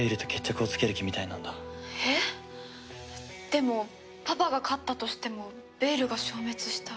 でもパパが勝ったとしてもベイルが消滅したら。